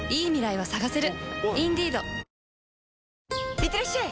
いってらっしゃい！